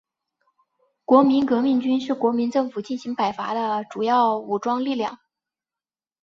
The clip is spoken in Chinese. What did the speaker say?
国民革命军是国民政府进行北伐的主要武装力量。